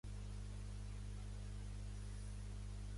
Va intentar reformar la diòcesi i s'enfrontà al capítol.